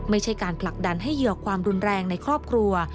ไม่ใช่การผลักดันให้เหยื่อความรุนแรงในครอบครัว